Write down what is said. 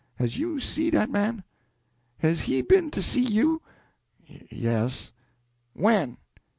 Has you see dat man? Has he be'n to see you?" "Ye s." "When?"